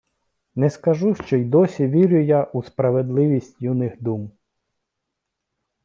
Не скажу, що й досі вірю я у справедливість юних дум